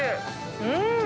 うん！